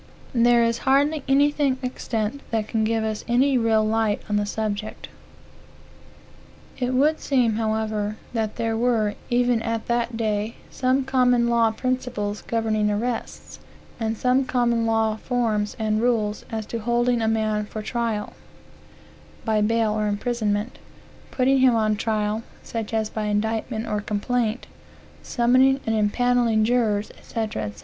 There is hardly anything extant that can give us any real light on the subject. It would seem, however, that there were, even at that day, some common law principles governing arrests; and some common law forms and rules as to holding a man for trial, (by bail or imprisonment;) putting him on trial, such as by indictment or complaint; summoning and empanelling jurors, &c., &c.